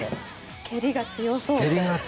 蹴りが強そう。